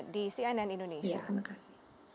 di cnn indonesia